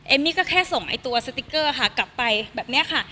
มี่ก็แค่ส่งไอ้ตัวสติ๊กเกอร์ค่ะกลับไปแบบนี้ค่ะ